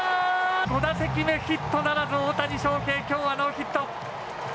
５打席目、ヒットならず、大谷翔平、きょうはノーヒット。